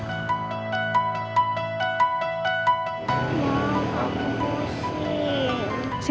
mama aku pusing